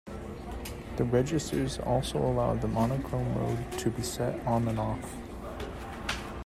The registers also allow the monochrome mode to be set on and off.